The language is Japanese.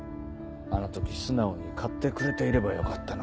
あの時素直に買ってくれていればよかったのに。